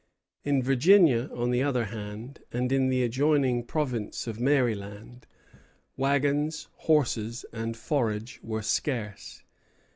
In Virginia, on the other hand, and in the adjoining province of Maryland, wagons, horses, and forage were scarce.